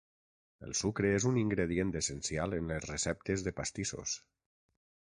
El sucre és un ingredient essencial en les receptes de pastissos.